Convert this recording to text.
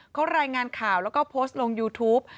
เขารายงานข่าวแล้วก็โพสต์ลงยูทูป